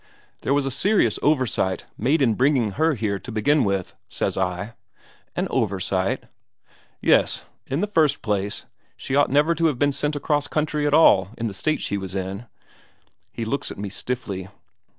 'There was a serious oversight made in bringing her here to begin with,' said I. 'An oversight?' 'Yes. In the first place, she ought never to have been sent across the country at all in the state she was in.' He looks at me stiffly.